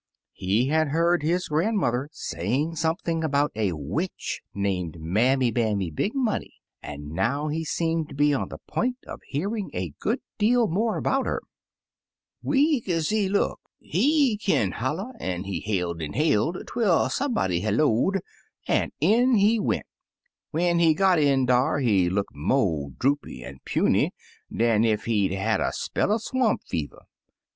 He had heard his grandmother saying something about a witch named Mammy Bammy Big Money, and now he seemed to be on the point of hearing a good deal more about her. 66 Taily.Po "Weak ez he look, he kin' holla, an* he hailed an* hailed twel somebody hello'd, an* in he went. When he got in dar, he look mo* droopy an* puny dan ef he*d *a* had a spell er swamp fever.